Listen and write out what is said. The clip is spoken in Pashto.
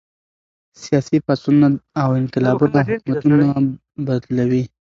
سياسي پاڅونونه او انقلابونه حکومتونه بدلوي.